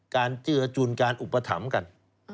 เจือจุนการอุปถัมภ์กัน